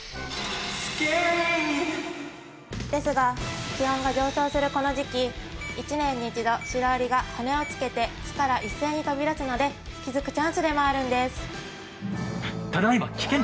ですが気温が上昇するこの時期一年に一度シロアリが羽を付けて巣から一斉に飛び立つので気づくチャンスでもあるんです。